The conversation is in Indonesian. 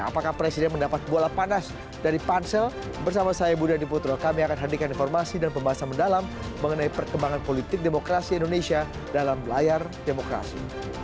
apakah presiden mendapat bola panas dari pansel bersama saya budha diputro kami akan hentikan informasi dan pembahasan mendalam mengenai perkembangan politik demokrasi indonesia dalam layar demokrasi